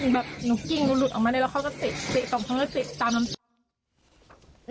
แบบหนูกิ้งหนูหลุดออกมาเลยแล้วเขาก็เตะต่อต่อมาเตะต่ามน้ำตัว